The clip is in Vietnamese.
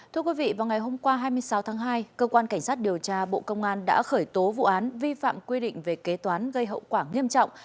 thưa quý vị vào ngày hôm qua hai mươi sáu tháng hai cơ quan cảnh sát điều tra bộ công an đã khởi tố vụ án vi phạm quy định về kế toán gây hậu quả nghiêm trọng